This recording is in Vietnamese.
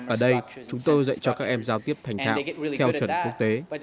ở đây chúng tôi dạy cho các em giao tiếp thành thạng theo chuẩn quốc tế